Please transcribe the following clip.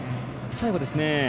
最後ですね。